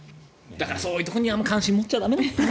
だからそういうところには関心を持っちゃ駄目。